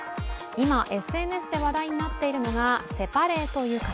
今、ＳＮＳで話題になっているのがセパレート浴衣。